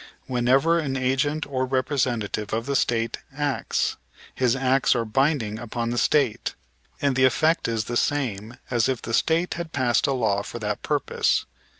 Whenever an agent or representative of the State acts, his acts are binding upon the State, and the effect is the same as if the State had passed a law for that purpose.